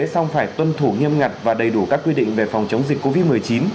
song phải tuân thủ nghiêm ngặt và đầy đủ các quy định về phòng chống dịch covid một mươi chín